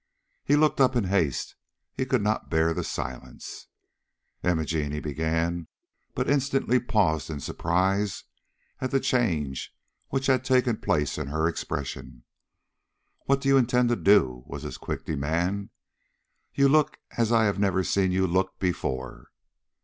He looked up in haste; he could not bear the silence. "Imogene " he began, but instantly paused in surprise at the change which had taken place in her expression. "What do you intend to do?" was his quick demand. "You look as I have never seen you look before."